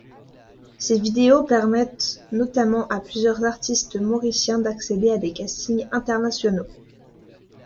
Ces vidéos permettent notamment à plusieurs artistes mauriciens d'accéder à des castings internationaux.